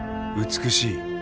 美しい。